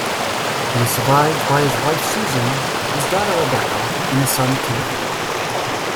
He is survived by his wife Susan, his daughter Rebecca, and his son Timothy.